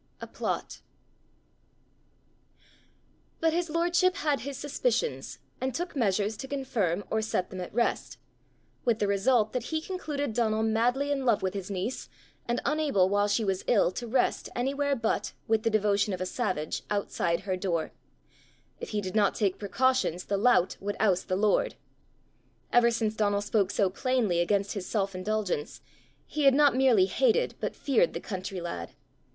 But his lordship had his suspicions, and took measures to confirm or set them at rest with the result that he concluded Donal madly in love with his niece, and unable, while she was ill, to rest anywhere but, with the devotion of a savage, outside her door: if he did not take precautions, the lout would oust the lord! Ever since Donal spoke so plainly against his self indulgence, he had not merely hated but feared the country lad.